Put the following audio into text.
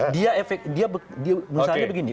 dia efek dia misalnya begini